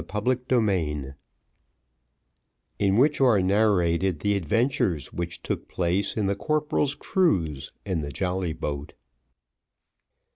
Chapter XXI In which are narrated the adventures which took place in the corporal's cruise in the jolly boat.